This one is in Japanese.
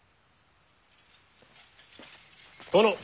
殿。